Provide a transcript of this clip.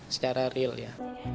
secara real ya